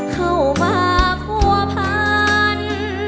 เข้ามาผัวพัน